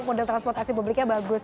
ya model transportasi publiknya bagus